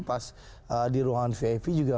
pas di ruangan vip juga